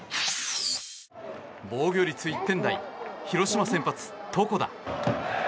防御率１点台広島先発、床田。